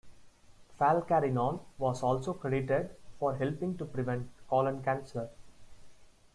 Falcarinol was also credited for helping to prevent colon cancer.